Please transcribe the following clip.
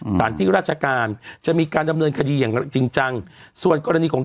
สถานที่ราชการจะมีการดำเนินคดีอย่างจริงจังส่วนกรณีของ